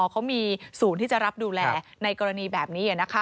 เขามีศูนย์ที่จะรับดูแลในกรณีแบบนี้นะคะ